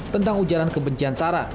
tentang ujaran kebencian sarah